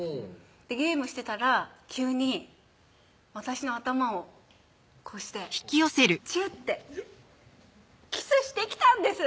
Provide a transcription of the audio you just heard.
ゲームしてたら急に私の頭をこうしてチュッていやっキスしてきたんです！